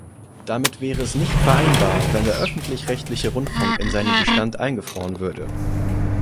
Damit wäre es nicht vereinbar, wenn der öffentlich-rechtliche Rundfunk in seinem Bestand eingefroren würde.